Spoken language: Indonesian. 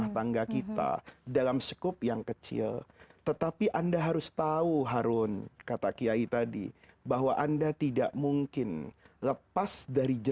tidak bisa tidur